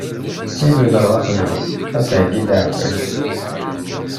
Mi d-tuddreḍ aqjun, ɣas heggi-d aɛekkaz.